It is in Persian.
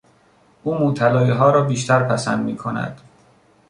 او موطلاییها را بیشتر پسند میکند.